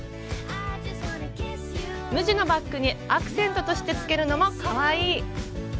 無地のバッグにアクセントとしてつけるのもかわいい！